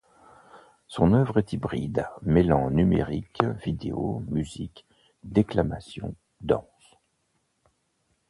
Son œuvre est hybride, mêlant numérique, vidéo, musique, déclamations, danse...